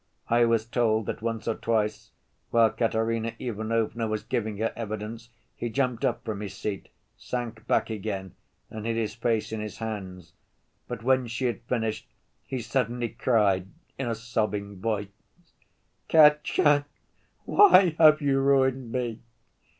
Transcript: I was told that once or twice, while Katerina Ivanovna was giving her evidence, he jumped up from his seat, sank back again, and hid his face in his hands. But when she had finished, he suddenly cried in a sobbing voice: "Katya, why have you ruined me?"